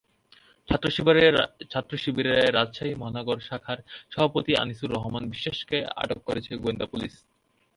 ছাত্রশিবিরের রাজশাহী মহানগর শাখার সভাপতি আনিসুর রহমান বিশ্বাসকে আটক করেছে গোয়েন্দা পুলিশ।